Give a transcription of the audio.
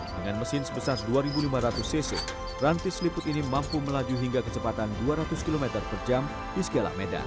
dengan mesin sebesar dua lima ratus cc rantis liput ini mampu melaju hingga kecepatan dua ratus km per jam di segala medan